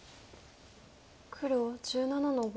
黒１７の五。